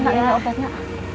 ya nak ini obatnya